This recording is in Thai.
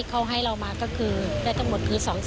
สนุนโดยน้ำดื่มสิง